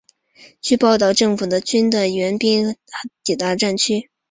据报道政府军的援兵和坦克通过哈塞克市抵达了战区。